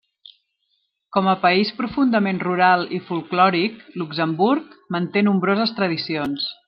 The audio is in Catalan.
Com a país profundament rural i folklòric, Luxemburg manté nombroses tradicions.